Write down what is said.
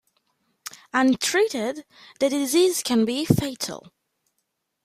Untreated the disease can be fatal.